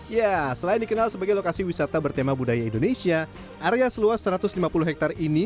ya selain dikenal sebagai lokasi wisata bertema budaya indonesia area seluas satu ratus lima puluh hektare ini